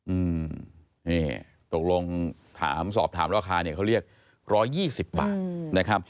อืมนี่ตกลงสอบถามราคาเขาเรียก๑๒๐บาทนะครับ